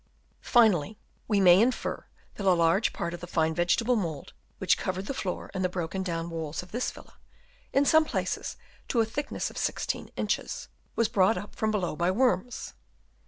Finally, we may infer that a large part of the fine vegetable mould, which covered the floor and the broken down walls of this villa, in some places to a thickness of 16 inches, was brought up from below by worms.